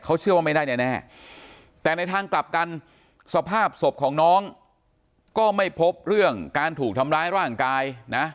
เขาเชื่อว่าไม่ได้แน่แต่ในทางกลับกันสภาพศพของน้องก็ไม่พบเรื่องการถูกทำร้ายร่างกายนะ